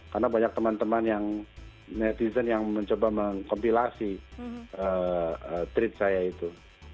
karena banyak teman teman yang netizen yang mencoba mengkompilasi tweet saya itu